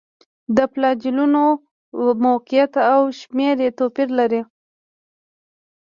د فلاجیلونو موقعیت او شمېر یې توپیر لري.